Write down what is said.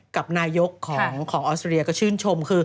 กับนายกของออสเรียก็ชื่นชมคือ